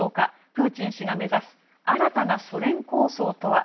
プーチン氏が目指す新たなソ連構想とは。